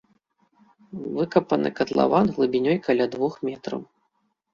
Выкапаны катлаван глыбінёй каля двух метраў.